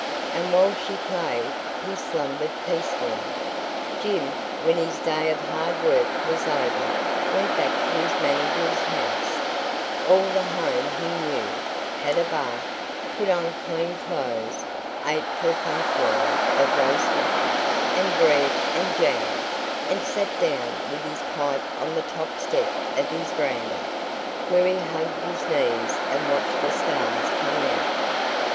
And while she played he slumbered peacefully. Jim, when his day of hard work was over, went back to his manager's house all the home he knew had a bath, put on clean clothes, ate perfunctorily of roast mutton, and bread and jam, and sat down with his pipe on the top step of his verandah, where he hugged his knees and watched the stars come out.